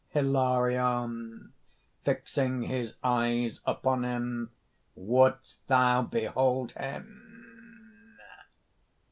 HILARION (fixing his eyes upon him:) "Wouldst thou behold him?"